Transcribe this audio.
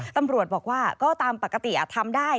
ตำรวจบอกว่าก็ตามปกติทำได้